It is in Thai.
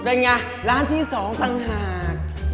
เป็นอย่างไรร้านที่๒ภังหาก